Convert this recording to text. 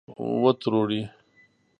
د جګړې په نامه ډوډۍ و تروړي.